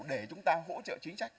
để chúng ta hỗ trợ chính sách